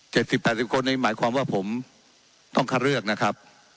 สิบแปดสิบคนนี้หมายความว่าผมต้องคัดเลือกนะครับ